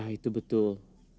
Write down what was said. ya itu betul